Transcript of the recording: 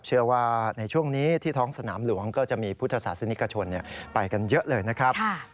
เชื่อว่าในช่วงนี้ที่ท้องสนามหลวงก็จะมีพุทธศาสนิกชนไปกันเยอะเลยนะครับ